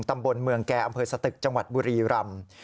ตำบลเมืองแก่อำเภอสตึกจังหวัดบุรีรำ